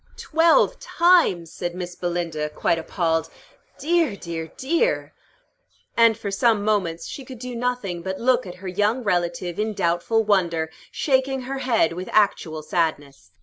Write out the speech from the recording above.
"Twelve times!" said Miss Belinda, quite appalled. "Dear, dear, dear!" And for some moments she could do nothing but look at her young relative in doubtful wonder, shaking her head with actual sadness.